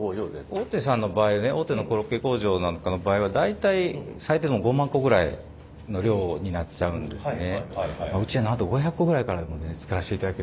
大手さんの場合ね大手のコロッケ工場なんかの場合は大体最低でも５万個ぐらいの量になっちゃうんですね。